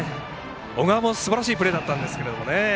小川もすばらしいプレーだったんですけどね。